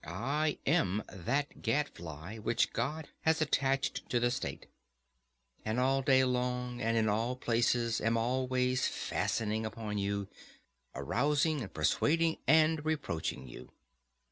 I am that gadfly which God has attached to the state, and all day long and in all places am always fastening upon you, arousing and persuading and reproaching you.